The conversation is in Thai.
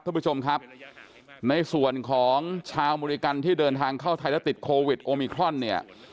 ท่านผู้ชมครับในส่วนของชาวอเมริกันที่เดินทางเข้าไทยและติดโควิดโอมิครอนเนี่ย